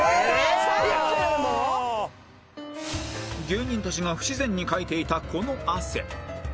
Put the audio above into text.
芸人たちが不自然にかいていたこの汗